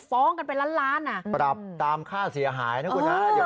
ฟ้องกันเป็นล้านล้านอ่ะแปดับตามค่าเสียหายนะคุณภาพ